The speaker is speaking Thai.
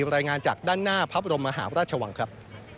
รายงานจากด้านหน้าพระบรมมหาราชวังครับ